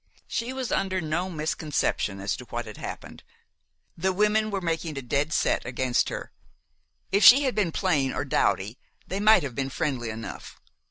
She was under no misconception as to what had happened. The women were making a dead set against her. If she had been plain or dowdy, they might have been friendly enough.